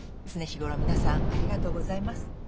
常日頃皆さんありがとうございます。